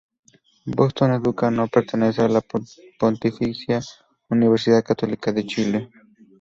Boston Educa no pertenece a la Pontificia Universidad Católica de Chile.